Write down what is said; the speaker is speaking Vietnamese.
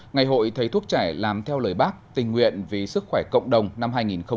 ngày hội thấy thuốc chảy làm theo lời bác tình nguyện về sức khỏe cộng đồng năm hai nghìn hai mươi